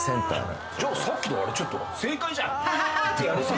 じゃあさっきのあれ正解じゃん。